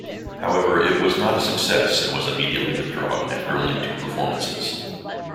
However, it was not a success and was immediately withdrawn after only two performances.